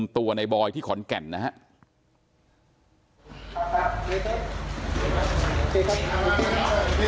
ส่วนสิ่งที่ผมอยากเจอคือ